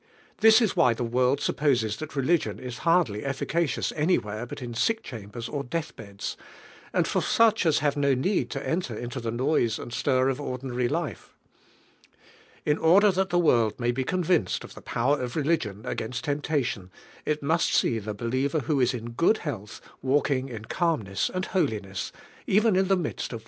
This is, why the world suppos es that religion is hardly efficacious any where but in sick chambers or death beds, and for such as hare no need to enter into the noise and stir of ordinary life. i n „,,, der tbait the world may he convinced of the power of religion again si I en,, nation, 'I must see the believer who is in good health walking in calmness and holiness even in the midst of .